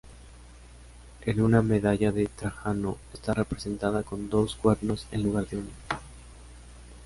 En una medalla de Trajano está representada con dos cuernos en lugar de uno.